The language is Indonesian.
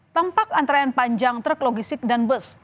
tampak antrean panjang truk logistik dan bus